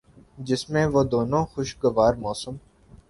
جس میں وہ دونوں خوشگوار موسم